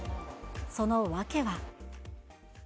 その訳は。